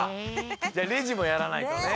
じゃあレジもやらないとね。